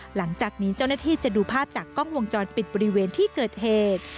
หลังจากนี้เจ้าหน้าที่จะดูภาพจากกล้องวงจรปิดบริเวณที่เกิดเหตุ